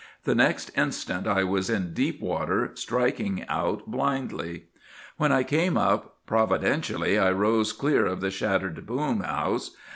The next instant I was in deep water, striking out blindly. "When I came up, providentially I rose clear of the shattered boom house.